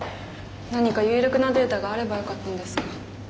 何か有力なデータがあればよかったんですが。